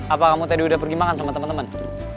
apa kamu tadi udah pergi makan sama temen temen